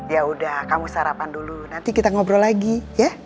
yaudah kamu sarapan dulu nanti kita ngobrol lagi ya